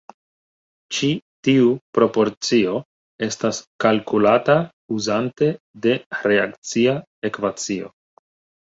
Ĉi tiu proporcio estas kalkulata uzante de reakcia ekvacio.